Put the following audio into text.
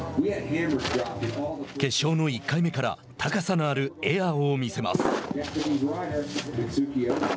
決勝の１回目から高さのあるエアを見せます。